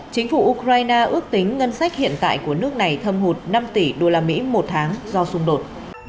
chính phủ ukraine ước tính ngân sách hiện tại của nước này thâm hụt năm tỷ usd một tháng do xung đột